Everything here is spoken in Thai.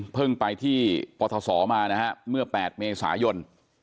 ไปที่ปทศมานะฮะเมื่อ๘เมษายน